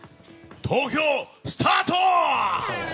投票スタート！